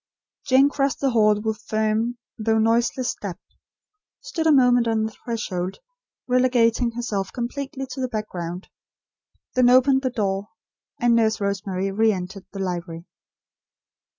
Jane crossed the hall with firm, though noiseless, step; stood a moment on the threshold relegating herself completely to the background; then opened the door; and Nurse Rosemary re entered the library.